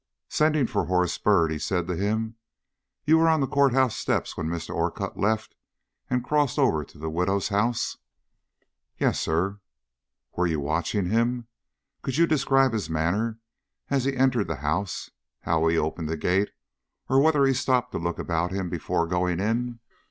Sending for Horace Byrd, he said to him: "You were on the court house steps when Mr. Orcutt left and crossed over to the widow's house?" "Yes, sir." "Were you watching him? Could you describe his manner as he entered the house; how he opened the gate; or whether he stopped to look about him before going in?"